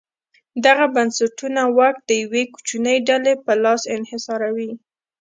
دغه بنسټونه واک د یوې کوچنۍ ډلې په لاس انحصاروي.